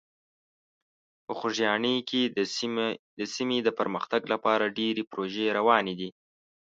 په خوږیاڼي کې د سیمې د پرمختګ لپاره ډېرې پروژې روانې دي.